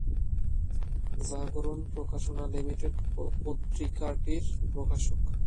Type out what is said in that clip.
জাগরণ প্রকাশনা লিমিটেড পত্রিকাটির প্রকাশক।